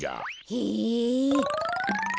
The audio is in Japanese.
へえ。